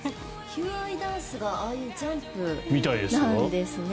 求愛ダンスがああいうジャンプなんですね。